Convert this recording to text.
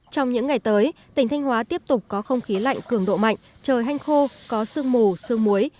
trong những ngày tới tỉnh thanh hóa tiếp tục có không khí lạnh cường độ mạnh trời hanh khô có sương mù sương muối